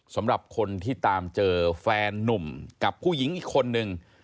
สำหรับคนที่ตามเจอแฟนนุ่มกับผู้หญิงอีกคนนึง